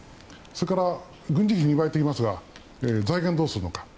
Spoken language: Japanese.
それから軍事費２倍といいますが財源はどうするのか。